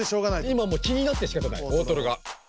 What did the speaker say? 今も気になってしかたがない大トロが。